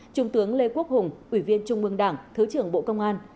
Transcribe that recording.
trung tướng lê quốc hùng ủy viên trung mương đảng thứ trưởng bộ công an